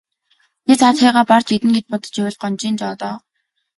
Чи цаадхыгаа барж иднэ гэж бодож байвал гонжийн жоо доо.